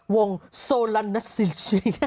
วงโซลานัสซิลชิล